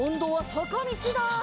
さかみちだ！